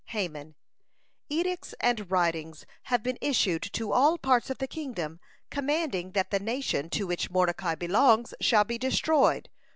Haman: "Edicts and writings have been issued to all parts of the kingdom, commanding that the nation to which Mordecai belongs shall be destroyed.